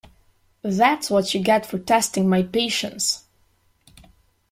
That’s what you get for testing my patience.